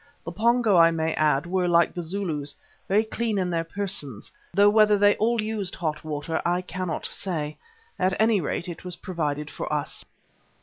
The Pongo, I may add, were, like the Zulus, very clean in their persons, though whether they all used hot water, I cannot say. At any rate, it was provided for us.